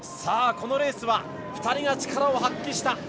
このレースは２人が力を発揮した。